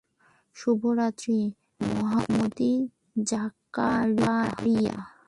শুভরাত্রি মহামতি জাকারিয়া।